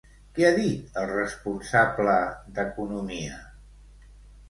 Què ha dit el responsable d'Economia?